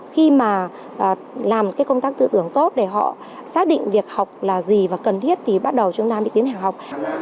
khi mà làm cái công tác tự tưởng tốt để họ xác định việc học là gì và cần thiết thì bắt đầu chúng ta đi tiến hạ học